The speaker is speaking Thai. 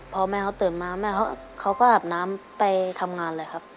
พอแม่เขาตื่นมาแม่เขาก็อาบน้ำไปทำงานเลยครับ